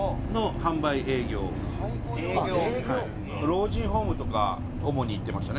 老人ホームとか主に行ってましたね。